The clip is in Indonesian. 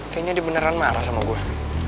kayaknya dia beneran marah sama gue